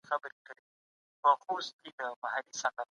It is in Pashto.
اوبو وهلی کتاب په ماشین سره بېرته رغول کیږي.